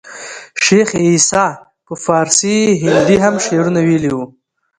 شېخ عیسي په پاړسي هندي هم شعرونه ویلي وو.